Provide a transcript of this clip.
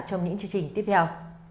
trong những chương trình tiếp theo